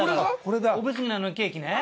おむすびケーキね。